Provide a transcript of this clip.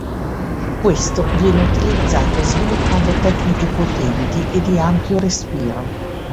Questo viene utilizzato sviluppando tecniche potenti e di ampio respiro.